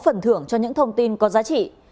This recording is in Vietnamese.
quý vị có phần thưởng cho những thông tin có giá trị